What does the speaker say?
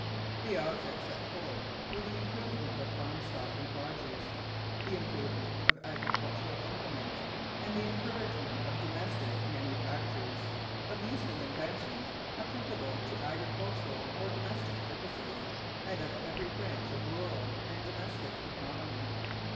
The objects set forth were the improvement of farm stock and produce, the improvement of agricultural implements, and the encouragement of domestic manufactures, of useful inventions applicable to agricultural or domestic purposes, and of every branch of rural and domestic economy.